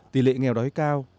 tỷ lệ nghèo đói cao